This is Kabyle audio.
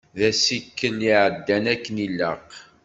D asikel iεeddan akken ilaq.